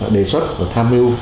đề xuất và tham mưu